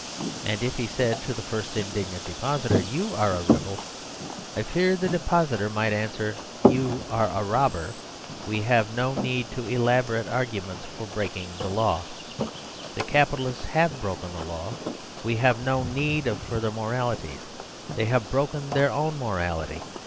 And if he said to the first indignant depositor "You are a rebel," I fear the depositor might answer, "You are a robber." We have no need to elaborate arguments for breaking the law. The capitalists have broken the law. We have no need of further moralities. They have broken their own morality.